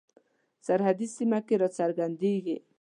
سرحدي سیمه کې را څرګندیږي.